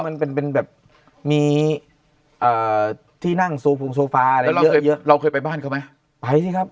มันเป็นแบบมีที่นั่งซูปูงโซฟาเราเคยไปบ้านเขาไหมไปครับ